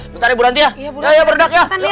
bentar ya bu lantia ayo berdua